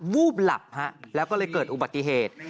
วูบหลับฮะแล้วก็เลยเกิดอุบัติเหตุ